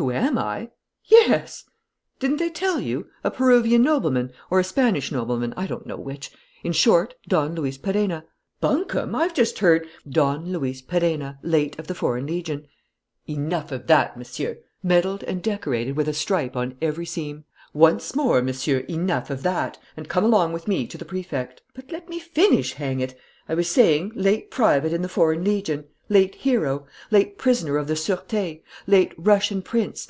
"Who am I?" "Yes." "Didn't they tell you? A Peruvian nobleman, or a Spanish nobleman, I don't know which. In short, Don Luis Perenna." "Bunkum! I've just heard " "Don Luis Perenna, late of the Foreign Legion." "Enough of that, Monsieur " "Medaled and decorated with a stripe on every seam." "Once more, Monsieur, enough of that; and come along with me to the Prefect." "But, let me finish, hang it! I was saying, late private in the Foreign Legion.... Late hero.... Late prisoner of the Sureté.... Late Russian prince....